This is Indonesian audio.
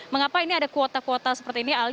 mengapa ini ada kuota kuota seperti ini